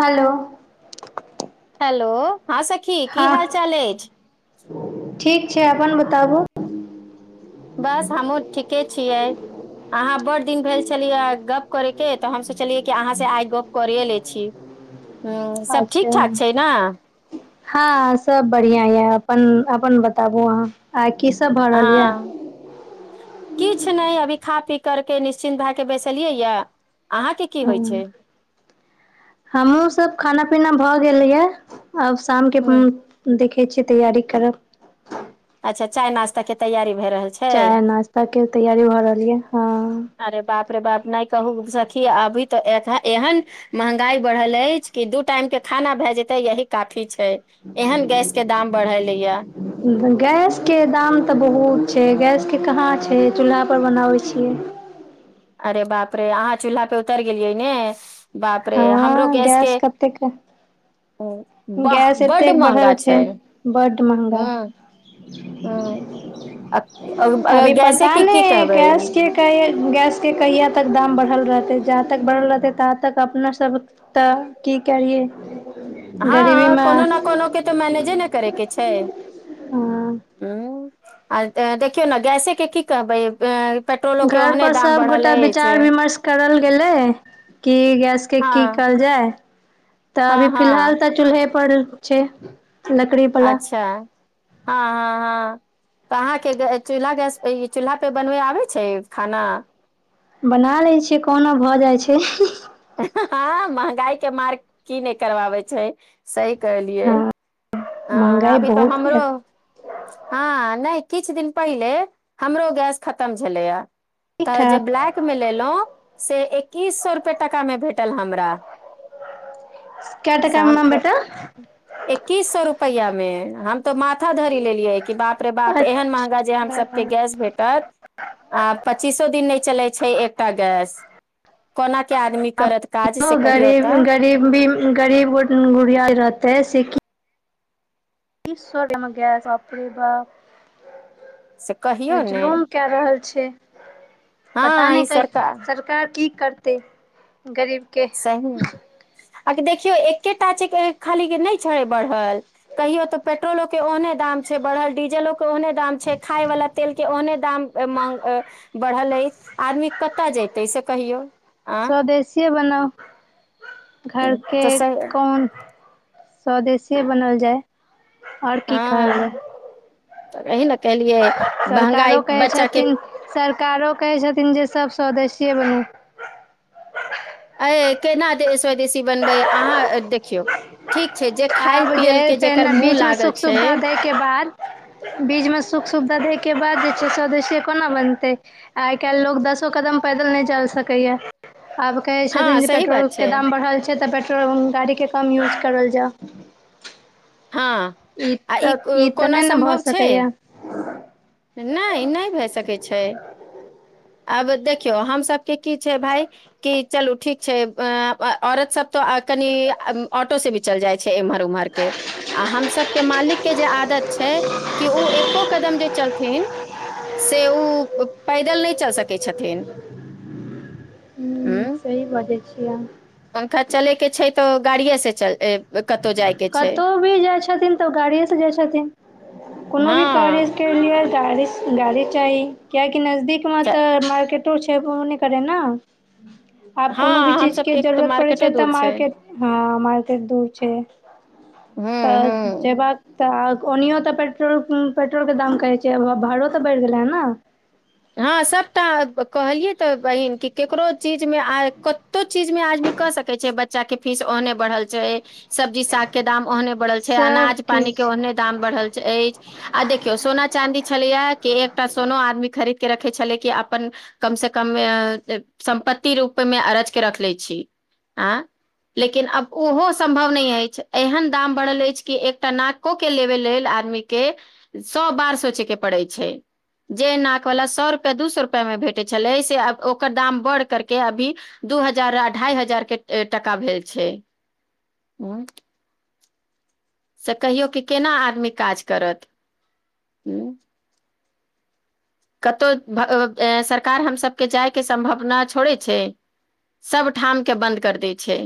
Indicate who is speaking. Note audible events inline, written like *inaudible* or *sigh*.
Speaker 1: Hello
Speaker 2: hello हँ सखी की
Speaker 1: हँ
Speaker 2: हाल चाल अछि
Speaker 1: ठीक छै अपन बताबू
Speaker 2: बस हमहू ठीके छियै अहाँ बड़ दिन भेल छलियै गप करैके तऽ हम सोचलियै कि अहाँ सँ आइ गप करे लै छी ह सभ
Speaker 1: अच्छा
Speaker 2: ठीक ठाक छै ने
Speaker 1: हँ सब बढ़िआ अपन अपन बताबु आहाँ
Speaker 2: हँ किछु नहि अभी खा पी करके निश्चिन्त भए के बैसलियै या
Speaker 1: ह हमहुँ सब खाना पीना भ गेलैयै आब शाम के
Speaker 2: ह
Speaker 1: देख तैयरी करब
Speaker 2: अच्छा चाय नाास्ता के तैयारी भए रहल छै
Speaker 1: चाय नाश्ता के तैयारी भ रहल यै
Speaker 2: अरे बाप रे बाप ने कहु सखी अभी ते एहन महंगाई बढ़ल अछि कि दू टाइम के खाना भय जेते यही काफी छै एहन गैस के दाम बढ़ले या
Speaker 1: गैस के दाम तऽ बहुत छै गैस के कहाँ छै चूल्हा पर बनाबे छियै
Speaker 2: अरे बाप रे अहाँ चूल्हा पे उतरि गेलियै ने बाप रे
Speaker 1: हँ
Speaker 2: हमरो गैस के ओ
Speaker 1: गैस एतेक बढ़ल छै बड महंगा
Speaker 2: हूँ हूँ अ- अ- अ-
Speaker 1: अभी
Speaker 2: गैसे
Speaker 1: पता
Speaker 2: के की
Speaker 1: नहि
Speaker 2: कहबै
Speaker 1: गैस के गैस के कहिया त तक दाम बढ़ल रहतै जा तक बढ़ल रहतै ता तक अपना सब तऽ की करियै गरीबी
Speaker 2: हँ
Speaker 1: मे
Speaker 2: कोनो ने कोनो के तऽ मैनेजे ने करयके छै
Speaker 1: हँ
Speaker 2: ह आ देखियौ ने गैसे के की कहै
Speaker 1: घर पर सबगोटा विचार विमर्श करल गेले की गैस के की
Speaker 2: हँ
Speaker 1: कल जाय तऽ
Speaker 2: हँ
Speaker 1: अभी फिलहाल
Speaker 2: हँ
Speaker 1: तऽ चूल्हे पर पड़ल छै लकड़ी बला
Speaker 2: अच्छा हँ हँ हँ तऽ अहाँके चूल्हा गैस ई चूल्हापर बनबै आबै छै खाना
Speaker 1: बना लै छियै कहुना भऽ जाइ छै
Speaker 2: हँ महगाई के मारग की नहि करबाबै छै सही कहलियए
Speaker 1: हँ
Speaker 2: हं
Speaker 1: महंगाई
Speaker 2: अभी तऽ
Speaker 1: बहुत है।
Speaker 2: हमरो हँ नहि किछु दिन पहिले हमरो गैस खतम छलैया
Speaker 1: ठीक
Speaker 2: तऽ जे
Speaker 1: ठाक
Speaker 2: ब्लैक मे लेलहुं से एकैस सए रूपए टाका मे भेट टल हमरा
Speaker 1: कए
Speaker 2: से
Speaker 1: टका
Speaker 2: हम
Speaker 1: मे भेटल
Speaker 2: पैया मे हम तो माथा धरी लेलियै बाप रे बाप
Speaker 1: बेटा
Speaker 2: एहन महगा जे हम सबके गैस भेटत आ पचीस दिन नहि चलै छै एकटा गैस कोना के आदमी करत काज से कहियौ
Speaker 1: गरी
Speaker 2: तऽ
Speaker 1: गरीब भी गरीब गुड़िया रहतेै से कि सब मे गैस बाप रे बा
Speaker 2: से
Speaker 1: अ
Speaker 2: कहियौ ने
Speaker 1: जुलूम क रहल छै छै पता
Speaker 2: हँ ई
Speaker 1: नहि कै
Speaker 2: सरकार
Speaker 1: सरकार की करतै गरीबके
Speaker 2: सही है। आ देखियो एकेटा छै खाली के नहि छै बढ़ल कहियो तऽ पेट्रोलो के ओहने दाम छै बढ़ल डीजलो के ओने दाम छै खाय वाला तेल के ओहने दाम बढ़ल अछि आदमी क कतऽ जेतै से कहियौ आ
Speaker 1: स्वदेशीए बनाउ खैर के
Speaker 2: तऽ सही-
Speaker 1: कोन स्वदेशीए बनल जाय आओर की कहल जाय
Speaker 2: हँ तऽ कही न
Speaker 1: सरकारो कहै छथिन सरकारो कहै छथिन जे सब स्वदेशी बने
Speaker 2: अ केना स्वदेशी बनबै अहाँ देखियौ ठीक छै जे खायल
Speaker 1: आब जे
Speaker 2: पियल
Speaker 1: हइ
Speaker 2: के जेकर
Speaker 1: पहिने
Speaker 2: मुँह
Speaker 1: बीचमे
Speaker 2: लागल
Speaker 1: सुख
Speaker 2: छै
Speaker 1: सुविधा दैके बाद बीचमे सुख सुविधा दैके बाद जे छै स्वदेश्य कोना बनतै आइ काल्हि लोक दसो कदम पैदल नहि जा सकैए आब कहे
Speaker 2: हँ
Speaker 1: छथिन जे
Speaker 2: सही
Speaker 1: पेट्रोल
Speaker 2: बात
Speaker 1: के
Speaker 2: छै
Speaker 1: दाम बढ़ल छै तऽ पेट्रो तो गाड़ीके कम यूज करल जाउ
Speaker 2: हँ
Speaker 1: *inaudible* ई
Speaker 2: आ
Speaker 1: तऽ
Speaker 2: को-
Speaker 1: ई तऽ
Speaker 2: कोना
Speaker 1: नहि ने भऽ
Speaker 2: सम्भव छै
Speaker 1: सकैए
Speaker 2: नहि नहि भए सकै छै अब देखियो हम सब के की छै भााय क चलू ठीक छै अ औरत सब तो कनि ऑटो से भी चल जाय छै छै इम्हर उम्हर के आ हमस के मालिक के जे आदत छै कि ओ एको कदम जे चलत से ओ पैदल नहि चल सकै छथिन उ
Speaker 1: दै छियै
Speaker 2: पंखा चले के छै तऽ गाड़ियए से चल कतहु जाय के छै
Speaker 1: कतहु भी जाइ छथिन तऽ गाड़िए से जाइ छथिन कोनो भी कार्य
Speaker 2: हँ
Speaker 1: के लिए गाड़ी गाड़ी चाही क्याक नजदीक मे
Speaker 2: त-
Speaker 1: तऽ मार्केट छै करे ने आब
Speaker 2: हँ
Speaker 1: कोनो भी
Speaker 2: हम
Speaker 1: चीज के
Speaker 2: सबके तऽ
Speaker 1: जरूरत पड़े
Speaker 2: मार्केटो
Speaker 1: छै तऽ
Speaker 2: दूर
Speaker 1: मार्केट हँ मार्केट दूर छै
Speaker 2: हूं
Speaker 1: तऽ
Speaker 2: हूं
Speaker 1: जे बात तऽ ओनहियो तऽ पेट्रोल पेट्रोलके दाम कहै छै भाड़ो तऽ बढ़ि गेलै हे ने
Speaker 2: हँ सभटा कहलियै तऽ बहिन कि ककरो चीजमे कतो चीजमे आदमी कऽ सकैत छै बच्चाके फीस ओहने बढ़ल छै सब्जी सागके दाम ओने बढ़ल छै
Speaker 1: सब
Speaker 2: अनाज पानी के
Speaker 1: किछ
Speaker 2: ओहने दाम बढ़ल अछि आ देखियौ सोना चाँदी छलैय कि एकटा सोनो आदमी खरीद रखे के छलै कि अपन कम से कम सम्पति रूप मे अरज के रखले छी लेकिन आब ओहो सम्भव नहि अछि एहन दाम बढ़ल अछि कि एकटा नाको के लेबे लेल आदमी के सए बार सोचै के पड़ै छै जे ना सए रुपया दू सए रुपया मे भेटै छलै ओ दाम बढ़ करके अभी दू हजार हजार के टाका भेल छै से कहियौ कि केना आदमी काज करत हूँ कतहु सरकार हमसभके जायके सम्भावना छोड़ै छै सभठामके बन्द कर दै छै